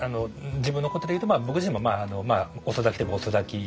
自分のことで言うと僕自身も遅咲きといえば遅咲き